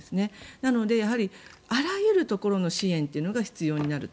なので、あらゆるところの支援というのが必要になると。